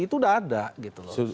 itu udah ada gitu loh